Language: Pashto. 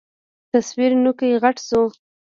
تصوير نوکى غټ سو.